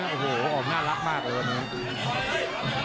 นะอ่าโหอ้อโหน่ารักมากว่านี้